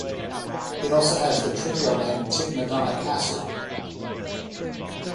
It also has the trivial name timnodonic acid.